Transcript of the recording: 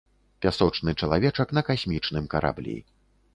Пясочны чалавечак на касмічным караблі.